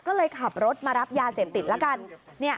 ก็เลยขับรถมารับยาเสพติดละกัน